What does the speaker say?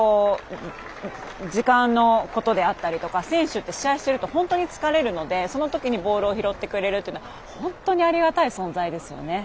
時間のことであったりとか選手って試合してると本当に疲れるのでその時にボールを拾ってくれるというのはありがたい存在ですよね。